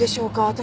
私。